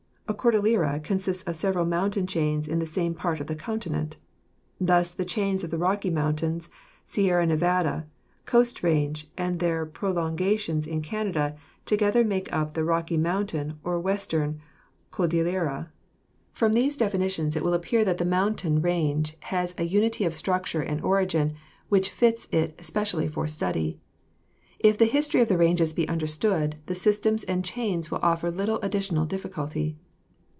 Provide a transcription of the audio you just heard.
A Cordillera consists of several mountain chains in the same part of the continent. Thus the chains of the Rocky Moun tains, Sierra Nevada, Coast Range and their prolongations in Canada together make up the Rocky Mountain or West ern Cordillera. From these definitions it will appear that 192 GEOLOGY the mountain range has a unity of structure and origin which fits it especially for study. If the history of the ranges be understood, the systems and chains will offer little additional difficulty.